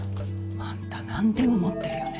あんた何でも持ってるよね